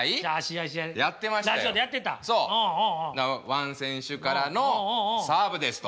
ワン選手からのサーブですと。